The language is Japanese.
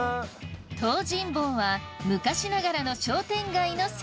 東尋坊は昔ながらの商店街の先。